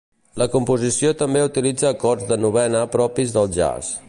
La composició també utilitza acords de novena propis del jazz.